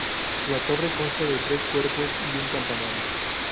La torre consta de tres cuerpos y un campanario.